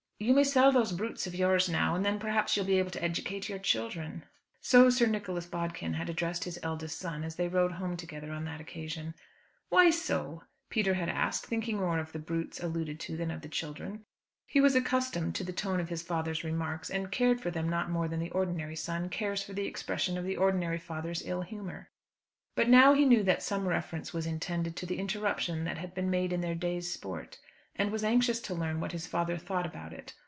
"You may sell those brutes of yours now, and then perhaps you'll be able to educate your children." So Sir Nicholas Bodkin had addressed his eldest son, as they rode home together on that occasion. "Why so?" Peter had asked, thinking more of the "brutes" alluded to than of the children. He was accustomed to the tone of his father's remarks, and cared for them not more than the ordinary son cares for the expression of the ordinary father's ill humour. But now he knew that some reference was intended to the interruption that had been made in their day's sport, and was anxious to learn what his father thought about it.